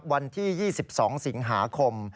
วันที่๒๒สิงหาคม